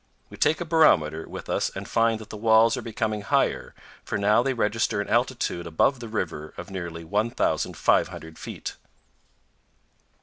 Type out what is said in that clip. We take a barometer with us and find that the walls are becoming higher, for now they register an altitude above the river of nearly 1,500 feet.